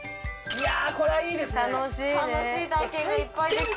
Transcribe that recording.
いやこれはいいですね